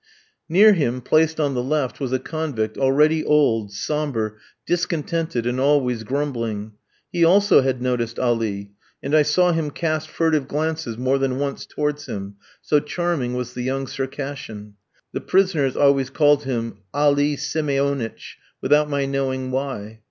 Near him, placed on the left, was a convict, already old, sombre, discontented, and always grumbling. He also had noticed Ali, and I saw him cast furtive glances more than once towards him, so charming was the young Circassian. The prisoners always called him Ali Simeonitch, without my knowing why.